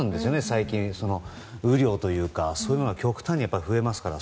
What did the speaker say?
最近、雨量とかそういうのが極端に増えますから。